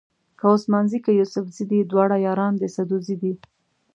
که عثمان زي که یوسفزي دي دواړه یاران د سدوزي دي.